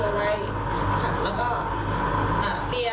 ต้องมาจากแม่ก่อนนะคะ